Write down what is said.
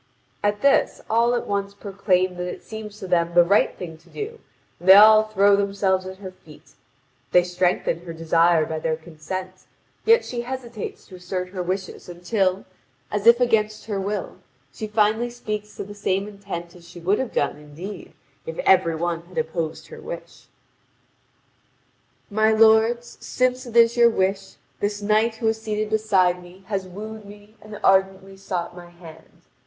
At this, all at once proclaim that it seems to them the right thing to do, and they all throw themselves at her feet. They strengthen her desire by their consent; yet she hesitates to assert her wishes until, as if against her will, she finally speaks to the same intent as she would have done, indeed, if every one had opposed her wish: "My lords, since it is your wish, this knight who is seated beside me has wooed me and ardently sought my hand.